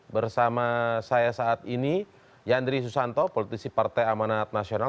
bersama saya saat ini yandri susanto politisi partai amanat nasional